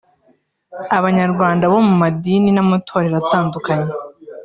Abanyarwanda bo mu madini n’amatorero atandukanye